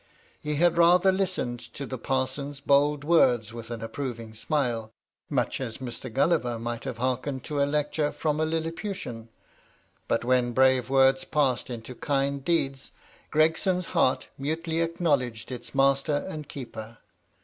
He had rather listened to the parson's bold words with an approving smile, much as Mr. Gulliver might have hearkened to a lecture from a Lilliputian. But when brave words passed into kind deeds, Gregson's heart mutely acknowledged its master and keeper.